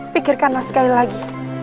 pikirkanlah sekali lagi